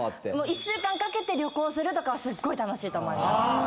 １週間かけて旅行するとかはすっごい楽しいと思います。